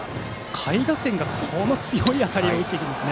下位打線がこの強い当たりを打つんですね。